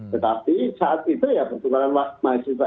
tetapi saat itu ya pertukaran mahasiswa